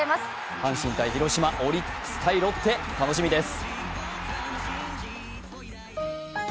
阪神×広島、オリックス×ロッテ、楽しみです。